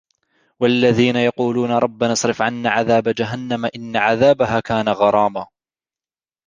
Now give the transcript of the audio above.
والذين يقولون ربنا اصرف عنا عذاب جهنم إن عذابها كان غراما